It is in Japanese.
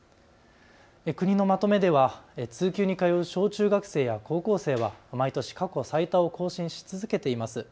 国のまとめでは通級に通う小中学生や高校生は毎年、過去最多を更新し続けています。